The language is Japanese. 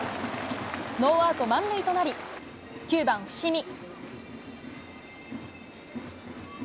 ノーアウト満塁となり、９番伏見。